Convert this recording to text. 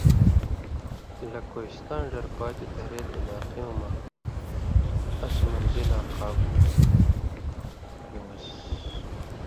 لہ کوستاں ڙر پاتُو دھریلیۡ علاقیُوں مہ اس مرضی لا قابُو ڇوُژ۔